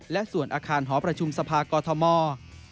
และส่วนอาคารหอประชุมสภากอทม